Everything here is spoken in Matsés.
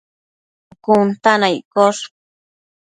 cun ta na iccosh